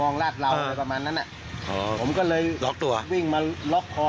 มองลาตล่าวประมาณนั้นอ่าผมก็เลยตัววิ่งมาล็อกคอ